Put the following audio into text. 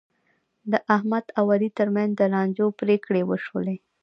د احمد او علي ترمنځ د لانجو پرېکړې وشولې.